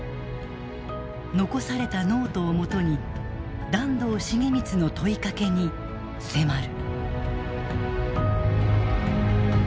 残されたノートをもとに團藤重光の問いかけに迫る。